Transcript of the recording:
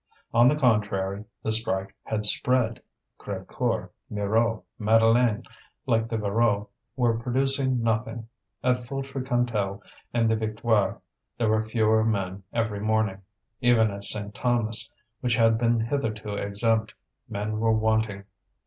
On the contrary, the strike had spread; Crévecoeur, Mirou, Madeleine, like the Voreux, were producing nothing; at Feutry Cantel and the Victoire there were fewer men every morning; even at Saint Thomas, which had been hitherto exempt, men were wanting.